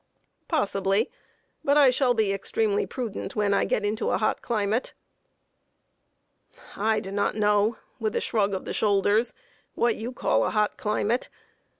"Possibly; but I shall be extremely prudent when I get into a hot climate." "I do not know" (with a shrug of the shoulders) "what you call a hot climate.